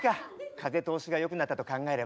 風通しがよくなったと考えれば。